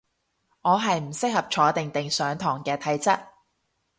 我係唔適合坐定定上堂嘅體質